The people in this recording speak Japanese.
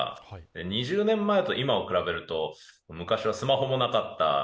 ２０年前と今を比べると、昔はスマホもなかった。